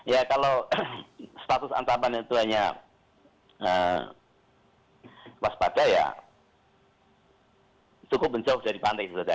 ya kalau status antapan itu hanya waspada ya cukup menjauh dari pantai sebenarnya